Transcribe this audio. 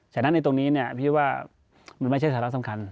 ฉะนั้นในตรงนี้พี่ว่ามันไม่ใช่สาระสำคัญ